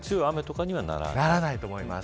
ならないと思います。